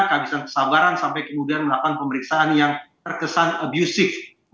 kehabisan kesabaran sampai kemudian melakukan pemeriksaan yang terkesan abusive